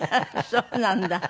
そうなんだ。